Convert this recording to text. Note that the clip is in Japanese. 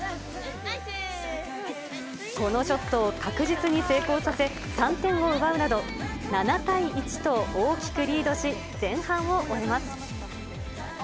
このショットを確実に成功させ、３点を奪うなど、７対１と、大きくリードし、前半を終えます。